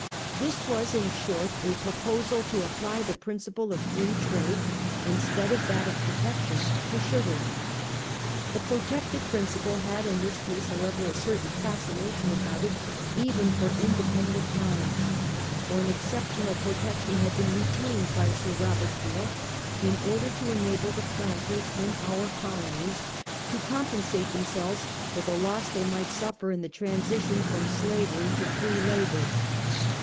This was in short a proposal to apply the principle of Free Trade, instead of that of Protec tion, to sugar. The protective principle had, in this case, however, a certain fascination about it, even for independent minds ; for an exceptional protection had been retained by Sir Robert Peel in order to enable the planters in our colonies to compensate them selves for the loss they might suffer in the transition from slavery to free labour.